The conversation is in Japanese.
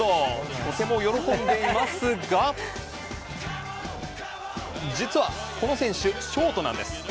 とても喜んでいますが実は、この選手ショートなんです。